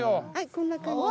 こんな感じで。